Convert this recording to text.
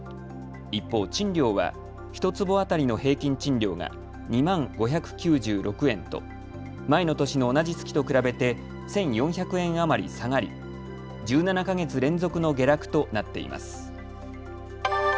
一方、賃料は１坪当たりの平均賃料が２万５９６円と前の年の同じ月と比べて１４００円余り下がり１７か月連続の下落となっています。